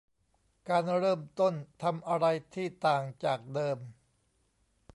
การเริ่มต้นทำอะไรที่ต่างจากเดิม